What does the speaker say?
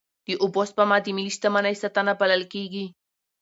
د اوبو سپما د ملي شتمنۍ ساتنه بلل کېږي.